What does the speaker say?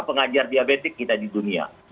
pengajar diabetes kita di dunia